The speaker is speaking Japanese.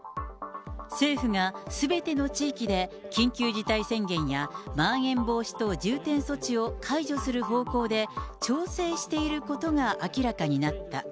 政府がすべての地域で緊急事態宣言やまん延防止等重点措置を解除する方向で、調整していることが明らかになった。